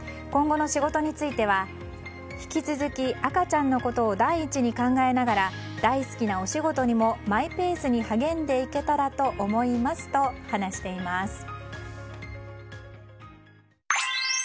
今後の仕事については引き続き赤ちゃんのことを第一に考えながら大好きなお仕事にもマイペースに励んでいけたらと思いますと話しています。